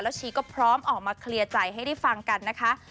ชีก็พร้อมออกมาเคลียร์ใจให้ได้ฟังกันนะคะ